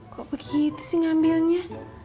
kok begitu sih ngambilnya